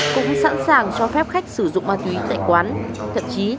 cũng sẵn sàng cho phép khách sử dụng